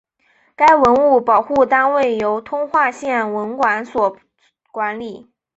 该文物保护单位由通化县文管所管理。